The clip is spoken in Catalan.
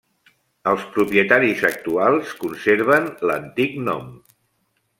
Els propietaris actuals conserven l'antic nom.